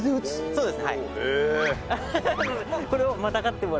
そうです。